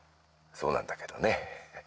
そうなんだけどね。